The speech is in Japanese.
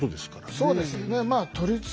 そうですよね。